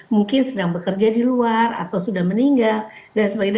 mungkin sedang bekerja di luar atau sudah meninggal dan sebagainya